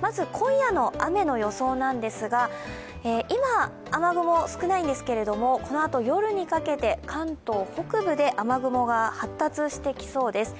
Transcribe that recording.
まず今夜の雨の予想なんですが、今、雨雲は少ないんですけれども、このあと夜にかけて関東北部で雨雲が発達してきそうです。